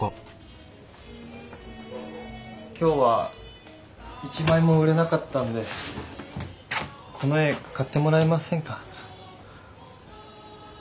今日は一枚も売れなかったんでこの絵買ってもらえませんか？